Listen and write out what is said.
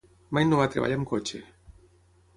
Mai no va a treballar amb cotxe.